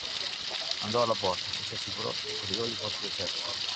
Andò alla porta e si assicurò che il corridoio fosse deserto.